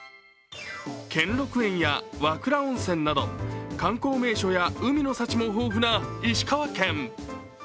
兼六園や和倉温泉など観光名所や海の幸も豊富な石川県。